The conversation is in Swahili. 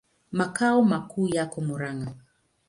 Makao makuu yako Murang'a.